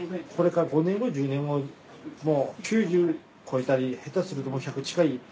これから５年後１０年後もう９０超えたり下手すると１００近い。